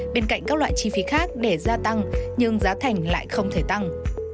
bên cạnh các loại chi phí khác để gia tăng nhưng giá thành lại không thể tăng